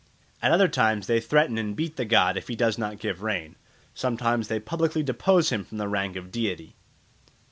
At other times they threaten and beat the god if he does not give rain; sometimes they publicly depose him from the rank of deity.